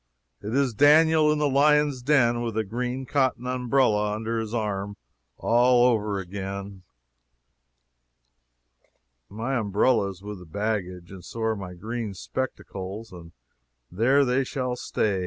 It is Daniel in the lion's den with a green cotton umbrella under his arm, all over again. My umbrella is with the baggage, and so are my green spectacles and there they shall stay.